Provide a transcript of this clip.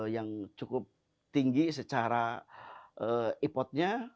yang cukup tinggi secara ipotnya